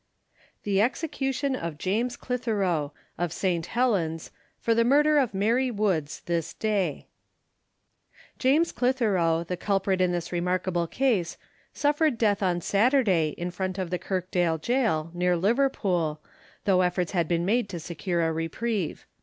THE EXECUTION OF JAMES CLITHEROE, Of St. Helen's, for the Murder of Mary Woods, this day. James Clitheroe, the culprit in this remarkable case, suffered death on Saturday, in front of the Kirkdale gaol, near Liverpool, though efforts had been made to secure a reprieve.